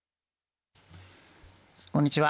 こんにちは。